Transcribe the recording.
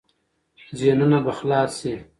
ذهنونه به خلاص شي.